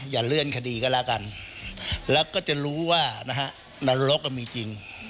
อย่าเลื่อนคดีก็แล้วกันแล้วก็จะรู้ว่านะฮะนรกมีจริง